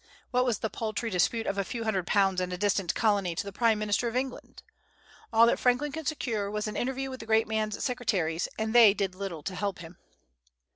What was the paltry dispute of a few hundred pounds in a distant colony to the Prime Minister of England! All that Franklin could secure was an interview with the great man's secretaries, and they did little to help him.